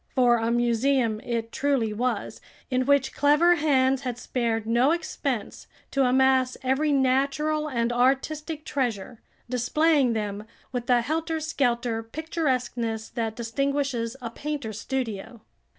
For a museum it truly was, in which clever hands had spared no expense to amass every natural and artistic treasure, displaying them with the helter skelter picturesqueness that distinguishes a painter's studio.